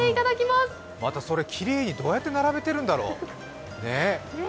また、それきれいに、どうやって並べてるんだろう。